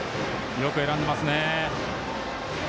よく選んでますね。